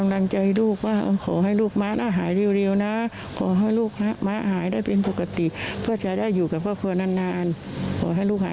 โดดเผยให้หายรีวนะขอบคุณด้วยให้กำลังใจมาช่วยเหลือนะ